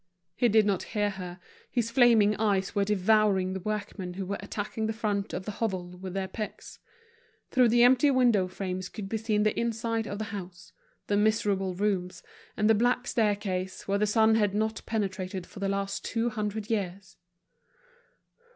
He did not hear her, his flaming eyes were devouring the workmen who were attacking the front of the hovel with their picks. Through the empty window frames could be seen the inside of the house, the miserable rooms, and the black staircase, where the sun had not penetrated for the last two hundred years.